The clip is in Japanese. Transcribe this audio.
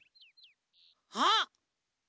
あっ！